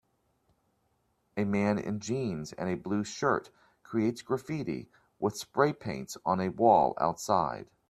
A man in jeans and a blue shirt creates graffiti with spray paints on a wall outside.